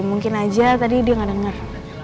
mungkin aja tadi dia gak denger